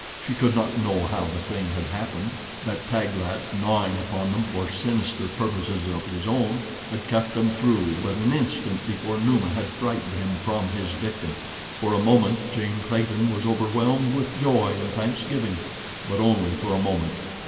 She could not know how the thing had happened, that Taglat, gnawing upon them for sinister purposes of his own, had cut them through but an instant before Numa had frightened him from his victim. For a moment Jane Clayton was overwhelmed with joy and thanksgiving; but only for a moment.